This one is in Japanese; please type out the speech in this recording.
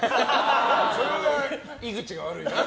それは井口が悪いな。